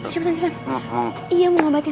cepetan cepetan iya mau ngobatin